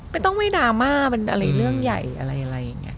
ไม่ต้องมีดราม่าเป็นอะไรเรื่องใหญ่อะไร